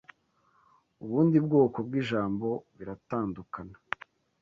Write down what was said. ubundi bwoko bw’ijambo biratandukana